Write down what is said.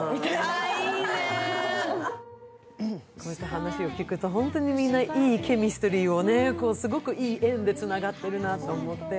話を聞くと、みんな本当にいいケミストリーをね、すごくいい縁でつながってるなと思って。